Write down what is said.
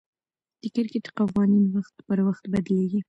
د کرکټ قوانين وخت پر وخت بدليږي.